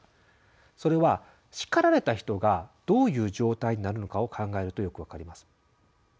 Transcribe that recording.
それは叱られた人がどういう状態になるのかを考えるとよく分かります。